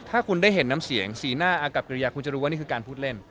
ถ้าคุณได้เห็นน้ำเสียงสีหน้าอากับกิริยาคุณจะรู้ว่านี่คือการพูดเล่น